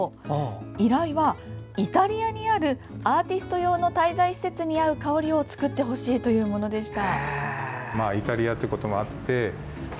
依頼は、イタリアにあるアーティスト用の滞在施設に合う香りを作ってほしいというものでした。